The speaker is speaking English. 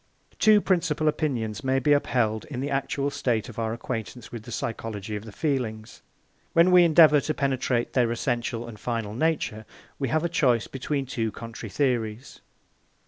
Two principal opinions may be upheld in the actual state of our acquaintance with the psychology of the feelings. When we endeavour to penetrate their essential and final nature, we have a choice between two contrary theories.